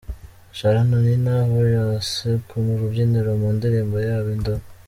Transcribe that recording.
Charly na Nina & Farious ku rubyiniro mu ndirimbo yabo indoro.